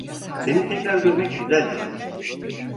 Seni tekrar görmek güzeldi.